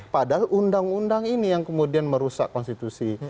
padahal undang undang ini yang kemudian merusak konstitusi